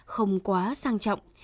không quá sang trọng